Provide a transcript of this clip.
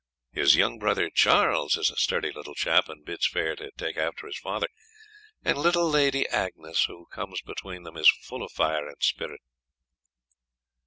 His young brother Charles is a sturdy little chap, and bids fair to take after his father; and little Lady Agnes, who comes between them, is full of fire and spirit.